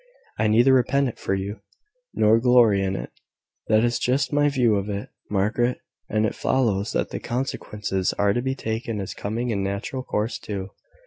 I neither repent it for you, nor glory in it." "That is just my view of it, Margaret. And it follows that the consequences are to be taken as coming in natural course too.